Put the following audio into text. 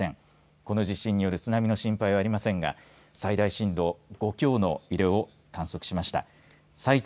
この地震による津波の心配はありませんが最大震度５強の揺れを観測しました。